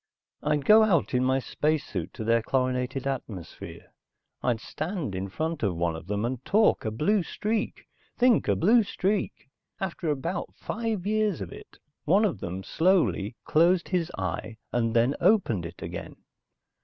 I'd go out in my spacesuit into their chlorinated atmosphere, I'd stand in front of one of them and talk a blue streak, think a blue streak. After about five years of it, one of them slowly closed his eye and then opened it again.